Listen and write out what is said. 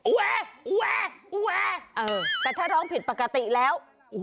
อุว๊าอุว๊าอุว๊าแต่ถ้าร้องผิดปกติแล้ว